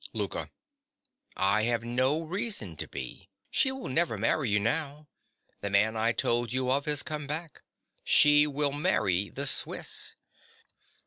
LOUKA. I have no reason to be. She will never marry you now. The man I told you of has come back. She will marry the Swiss.